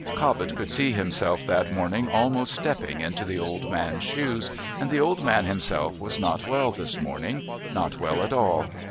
Cobbett could see himself that morning almost stepping into the old man's shoes, and the old man himself was not well this morning not well at all.